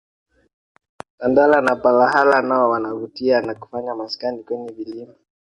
Tandala na palahala nao wanavutia na kufanya maskani kwenye vilima